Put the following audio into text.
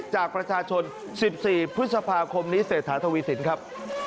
จากประชาชน๑๔พฤษภาคมนี้เศรษฐาทวีสินครับ